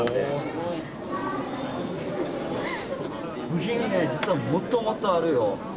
部品ね実はもっともっとあるよ。